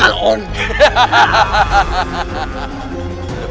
jadi akan kita buat